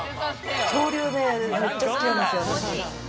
恐竜ね、めっちゃ好きなんですよ。